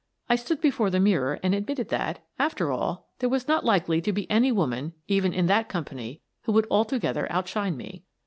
I stood before the mirror and admitted that, after all, there was not likely to be any woman, even in that company, who would altogether outshine me.